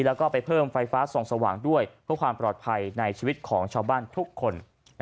แล้วก็ไปเพิ่มไฟฟ้าส่องสว่างด้วยเพื่อความปลอดภัยในชีวิตของชาวบ้านทุกคน